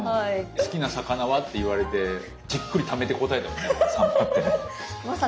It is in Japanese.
「好きな魚は？」って言われてじっくりためて答えたもんねサンマってね。